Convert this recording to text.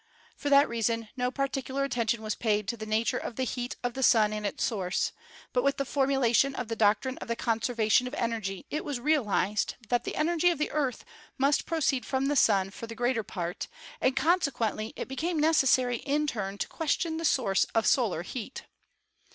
For that reason no particular attention was paid to the nature of the heat of the Sun and its source; but with the formulation of the doctrine of the conservation of energy it was realized that the energy of the Earth must proceed from the Sun for the greater part, and con sequently it became necessary in turn to question the source of solar heat.